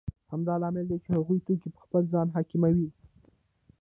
همدا لامل دی چې هغوی توکي په خپل ځان حاکموي